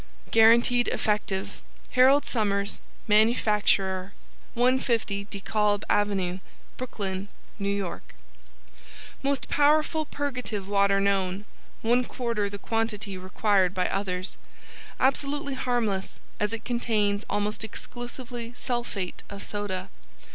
GUARANTEED EFFECTIVE HAROLD SOMERS Manufacturer 150 De Kalb Ave. Brooklyn, New York MOST POWERFUL PURGATIVE WATER KNOWN 1/4 The Quantity Required by Others Absolutely harmless as it contains almost exclusively Sulphate of Soda.